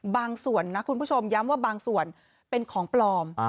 ส่วนนะคุณผู้ชมย้ำว่าบางส่วนเป็นของปลอม